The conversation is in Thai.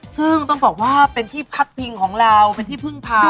ซึ่งต้องบอกว่าเป็นที่พักพิงของเราเป็นที่พึ่งพา